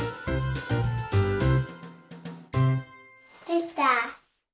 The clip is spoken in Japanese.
できた！